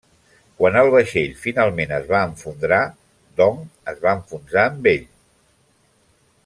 Quan el vaixell finalment es va enfondrar, Dong es va enfonsar amb ell.